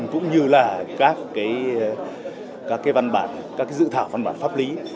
cũng như là các dự thảo văn bản pháp lý